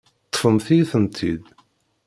Ṭṭfemt-iyi-tent-id.